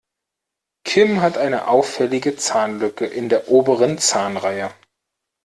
Kim hat eine auffällige Zahnlücke in der oberen Zahnreihe.